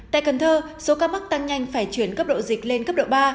tại cần thơ số ca mắc tăng nhanh phải chuyển cấp độ dịch lên cấp độ ba